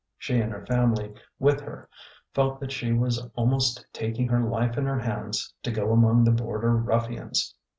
She and her family with her felt that she was almost tak ing her life in her hands to go among the border ruf fians."